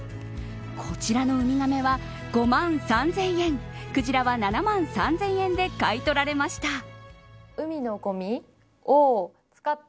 こちらのウミガメは５万３０００円クジラは７万３０００円で買い取られました。